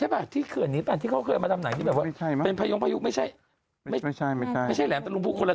เมื่อก่อนที่เขาเคยเอามาทำหนังป่ะใช่ป่ะ